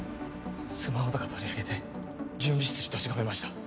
スマホとか取り上げて準備室に閉じ込めました